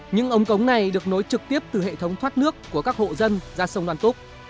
những ống cống này được nối trực tiếp từ hệ thống thoát nước của các hộ dân ra sông đoan túc